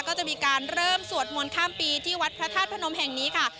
ก็จะมีการเริ่มสวดมนต์ข้ามปีที่วัดพระธาตุพนมแห่งนี้ค่ะ